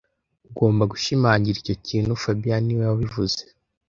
Ugomba gushimangira icyo kintu fabien niwe wabivuze